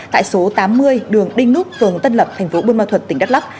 tại số tám mươi đường đinh nút phường tân lập thành phố bương ma thuật tỉnh đắk lắk